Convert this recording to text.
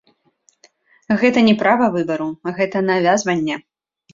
Гэта не права выбару, гэта навязванне.